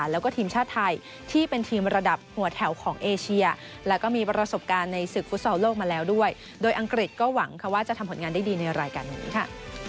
แล้วก็มีประสบการณ์ในศึกฟุตซอลโลกมาแล้วด้วยโดยอังกฤษก็หวังว่าจะทำผลงานได้ดีในรายการแบบนี้ค่ะ